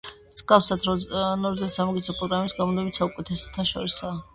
მსგავსად, ნორზვესტერნის სამაგისტრო პროგრამებიც გამუდმებით საუკეთესოთა შორისაა.